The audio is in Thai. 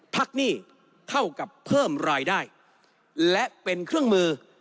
หนี้เท่ากับเพิ่มรายได้และเป็นเครื่องมือ